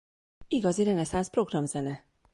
Igazi reneszánsz programzene!